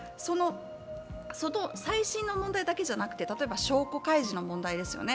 その再審の問題だけじゃなくて、証拠開示の問題ですよね。